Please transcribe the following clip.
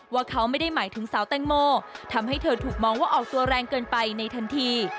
ว่าเขาไม่ได้หมายถึงสาวแตงโมทำให้เธอถูกมองว่าออกตัวแรงเกินไปในทันที